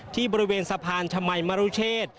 ที่บริเวณสะพานชมัยมรุเชษ